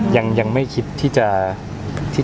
ยังไม่คิดที่จะ